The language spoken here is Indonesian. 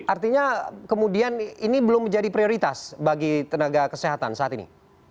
artinya kemudian ini belum menjadi prioritas bagi tenaga kesehatan saat ini